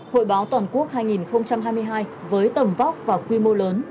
hội báo toàn quốc hai nghìn hai mươi hai với tầm vóc và quy mô lớn